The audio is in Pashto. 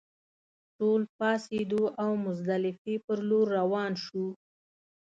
ټول پاڅېدو او مزدلفې پر لور روان شوو.